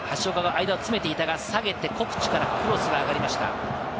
間を詰めていたが下げて、コクチュからクロスが上がりました。